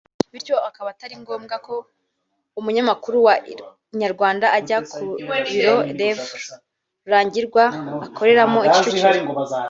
bityo akaba atari ngombwa ko umunyamakuru wa Inyarwanda ajya ku biro Rev Rurangirwa akoreramo i Kicukiro